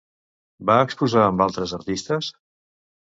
Va exposar amb altres artistes?